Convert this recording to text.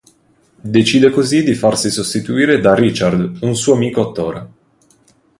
Decide così di farsi sostituire da Richard, un suo amico attore.